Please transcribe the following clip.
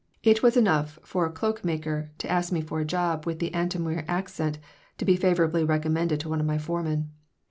It was enough for a cloak maker to ask me for a job with the Antomir accent to be favorably recommended to one of my foremen.